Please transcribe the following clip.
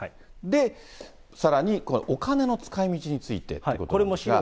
で、さらにお金の使いみちについてということなんですが。